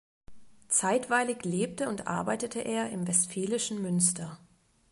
Zeitweilig lebte und arbeitete er im westfälischen Münster.